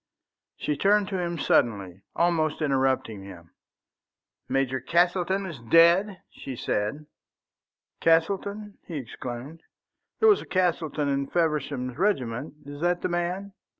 She turned to him suddenly, almost interrupting him. "Major Castleton is dead?" she said. "Castleton?" he exclaimed. "There was a Castleton in Feversham's regiment. Is that the man?"